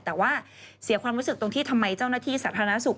แต่ว่าเสียความรู้สึกตรงที่ทำไมเจ้าหน้าที่สาธารณสุข